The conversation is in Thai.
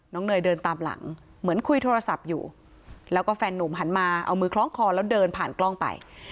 เนยเดินตามหลังเหมือนคุยโทรศัพท์อยู่แล้วก็แฟนนุ่มหันมาเอามือคล้องคอแล้วเดินผ่านกล้องไป